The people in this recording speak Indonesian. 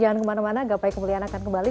jangan kemana mana gapai kemuliaan akan kembali